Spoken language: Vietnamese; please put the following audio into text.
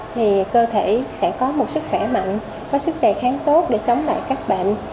thì cơ thể sẽ có một sức khỏe mạnh có sức đề kháng tốt để chống lại các bệnh